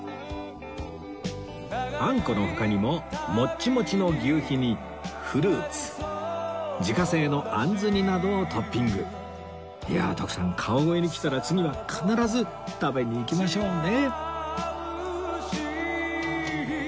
あんこの他にももっちもちの求肥にフルーツ自家製のあんず煮などをトッピングいやあ徳さん川越に来たら次は必ず食べに行きましょうね